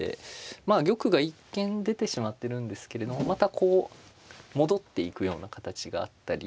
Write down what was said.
まあ玉が一見出てしまってるんですけれどもまたこう戻っていくような形があったり。